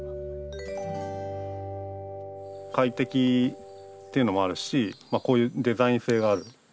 快適っていうのもあるしこういうデザイン性がある。